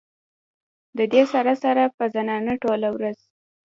د دې سره سره چې زنانه ټوله ورځ